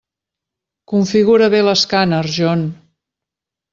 Configura bé l'escàner, John.